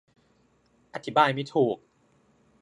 อธิบายไม่ถูก